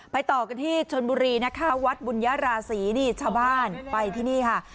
ต่อกันที่ชนบุรีนะคะวัดบุญญาราศีนี่ชาวบ้านไปที่นี่ค่ะ